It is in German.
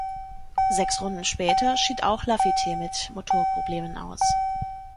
Sechs Runden später schied auch Laffite mit Motorproblemen aus.